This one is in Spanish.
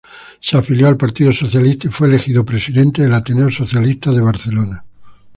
Se afilió al Partido Socialista y fue elegido presidente del Ateneo Socialista de Barcelona.